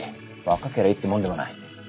若けりゃいいってもんでもない。